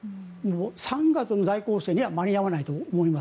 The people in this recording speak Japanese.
３月の大攻勢には間に合わないと思います。